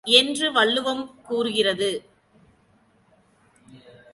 என்று வள்ளுவம் கூறுகிறது!